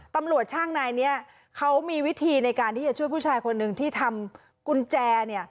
ตำรวจช่างนายนี้เขามีวิธีในการที่จะช่วยผู้ชายคนหนึ่งที่ทำกุญแจ